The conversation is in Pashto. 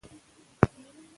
پوښتنه کول د علم کیلي ده.